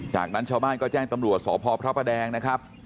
จากนั้นชาวบ้านก็แจ้งตำรวจสพพระประแดงนะครับ